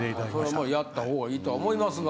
そらまあやった方がいいとは思いますが。